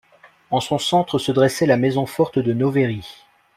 En son centre se dressait la maison forte de Novéry.